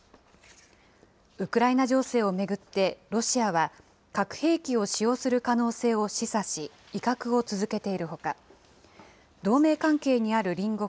ウクライナ情勢を巡って、ロシアは、核兵器を使用する可能性を示唆し、威嚇を続けているほか、同盟関係にある隣国